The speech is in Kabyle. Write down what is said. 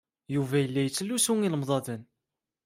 Yuba yella yettlusu ilemḍaden.